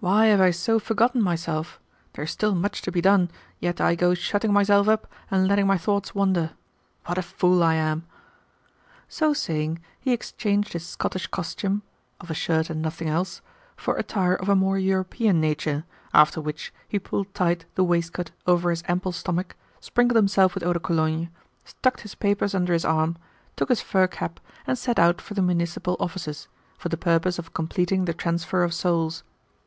Why have I so forgotten myself? There is still much to be done, yet I go shutting myself up and letting my thoughts wander! What a fool I am!" So saying, he exchanged his Scottish costume (of a shirt and nothing else) for attire of a more European nature; after which he pulled tight the waistcoat over his ample stomach, sprinkled himself with eau de Cologne, tucked his papers under his arm, took his fur cap, and set out for the municipal offices, for the purpose of completing the transfer of souls.